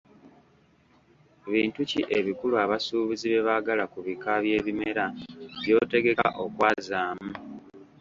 Bintu ki ebikulu abasuubuzi bye baagala ku bika by’ebimera by’otegeka okwazaamu?